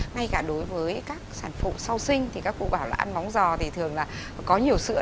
ngay cả đối với các sản phụ sau sinh thì các cụ bảo là ăn móng giò thì thường là có nhiều sữa